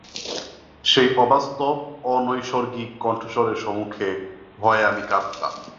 সেই অবাস্তব, অনৈসর্গিক কণ্ঠস্বরের সমুখে ভয়ে আমি কাঁপতাম।